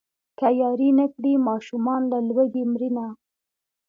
که ياري نه کړي ماشومان له لوږې مرينه.